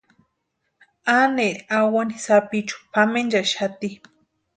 Aneri awani sapichu pʼamenchaxati.